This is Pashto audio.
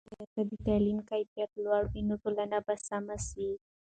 که چېرته د تعلیم کیفیت لوړ وي، نو ټولنه به سمه سي.